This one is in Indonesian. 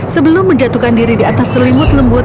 sebelum menjatuhkan diri di atas selimut lembut